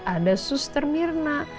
ada suster mirna